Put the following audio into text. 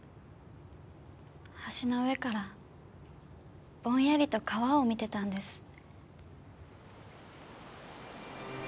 橋の上からぼんやりと川を見てたんです。